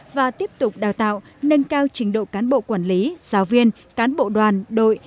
và tiếp tục đào tạo nâng cao trình độ cán bộ quản lý giáo viên cán bộ đoàn đội